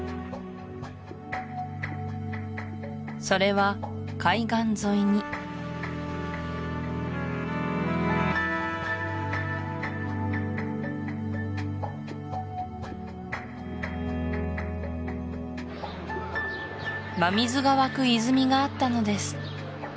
それは海岸沿いに真水が湧く泉があったのです